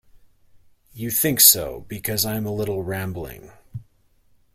You think so because I am a little rambling.